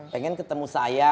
pengen ketemu saya